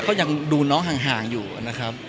ก็ยังดูน้องห่างอยู่นะครับ